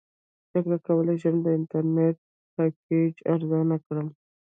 څنګه کولی شم د انټرنیټ پیکج ارزانه کړم